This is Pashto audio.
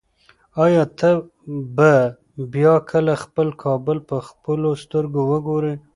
ایا ته به بیا کله خپل کابل په خپلو سترګو وګورې؟